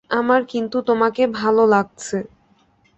আমার কিন্তু তোমাকে ভালো লাগছে।